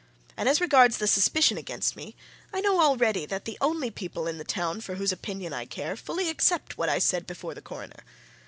And as regards the suspicion against me, I know already that the only people in the town for whose opinion I care fully accept what I said before the Coroner.